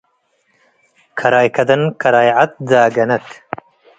ከራይ ከደን ከራይ ዐድ ትዳገነት።